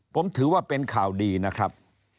ผมถือว่าเป็นข่าวดีนะครับ